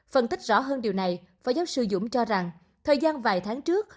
phân tích rõ hơn điều này phó giáo sư dũng cho rằng thời gian vài tháng trước